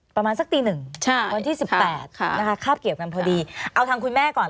ประมาณสักตีหนึ่งวันที่๑๘นะคะคาบเกี่ยวกันพอดีเอาทางคุณแม่ก่อน